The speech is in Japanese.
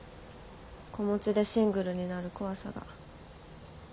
子持ちでシングルになる怖さが。